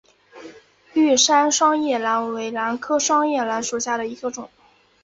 玉山双叶兰为兰科双叶兰属下的一个种。